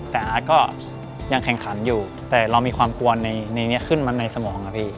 แต่อาร์ตก็ยังแข่งขันอยู่แต่เรามีความกลัวในนี้ขึ้นมาในสมองครับพี่